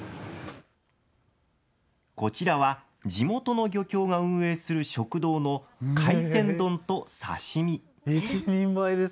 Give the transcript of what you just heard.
こちらは地元の漁協が運営する食堂の海鮮丼と刺身。